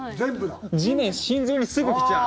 地面、心臓にすぐ来ちゃう。